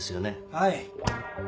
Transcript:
はい。